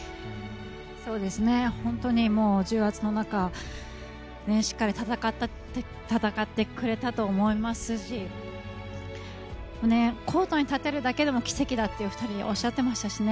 そうですね、本当に重圧の中しっかり戦ってくれたと思いますしコートに立てるだけでも奇跡だと２人おっしゃっていましたしね。